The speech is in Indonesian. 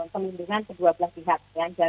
perlindungan kedua belah pihak